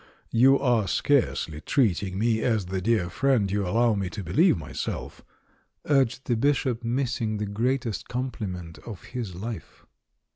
"You are scarcely treating me as the dear friend you allow me to believe myself," urged the Bishop, missing the greatest compliment of his life.